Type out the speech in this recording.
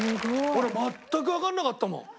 俺全くわかんなかったもん。